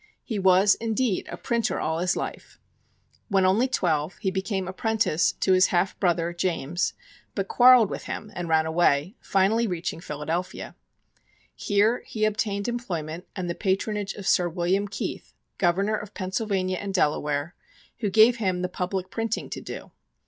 He was, indeed, a printer all his life. When only twelve, he became apprentice to his half brother, James, but quarreled with him and ran away, finally reaching Philadelphia. Here he obtained employment and the patronage of Sir William Keith, Governor of Pennsylvania and Delaware, who gave him the public printing to do.